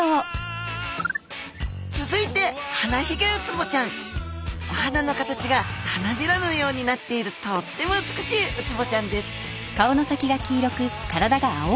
続いてお鼻の形が花びらのようになっているとっても美しいウツボちゃんです